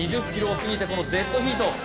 ２０ｋｍを過ぎてこのデッドヒート。